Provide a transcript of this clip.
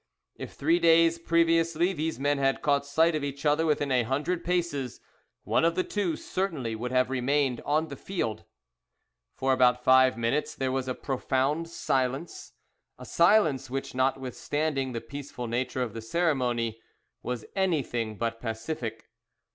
If three days previously these men had caught sight of each other within a hundred paces, one of the two certainly would have remained on the field. For about five minutes there was a profound silence, a silence which, notwithstanding the peaceful nature of the ceremony, was anything but pacific.